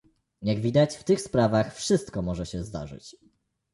Jak widać, w tych sprawach wszystko może się zdarzyć